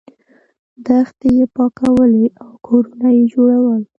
دښتې یې پاکولې او کورونه یې جوړول.